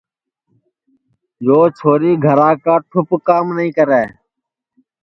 یو چھوری گھرا ٹُوپ کام نائی کرے